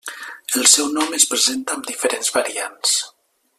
El seu nom es presenta amb diferents variants.